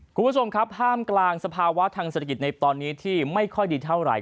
คุณผู้ชมครับห้ามกลางสภาวะทางเศรษฐกิจในตอนนี้ที่ไม่ค่อยดีเท่าไหร่